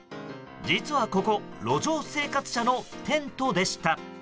実はここ路上生活者のテントでした。